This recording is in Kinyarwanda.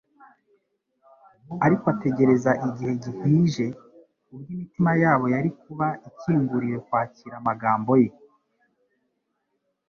Ariko ategereza igihe gihije ubwo imitima yabo yari kuba ikinguriwe kwakira amagambo ye.